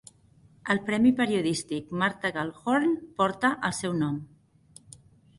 El premi periodístic Martha Gellhorn porta el seu nom.